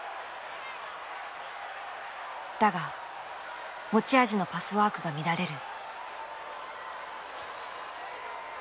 だが持ち味のパスワークが乱れる。